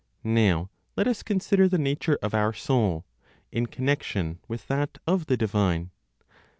Now let us consider the nature of our soul, in connection with that of the divine.